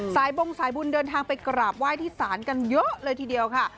บงสายบุญเดินทางไปกราบไหว้ที่ศาลกันเยอะเลยทีเดียวค่ะ